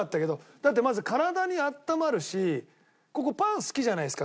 だってまず体に温まるしパン好きじゃないですか